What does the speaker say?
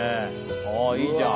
あぁいいじゃん。